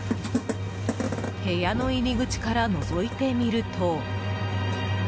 部屋の入り口からのぞいてみると。